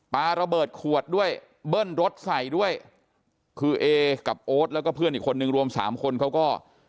ปลาระเบิดขวดด้วยเบิ้ลรถใส่ด้วยคือเอกับโอ๊ตแล้วก็เพื่อนอีกคนนึงรวมสามคนเขาก็